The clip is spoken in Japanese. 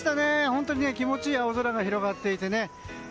本当に気持ちいい青空が広がっていてね。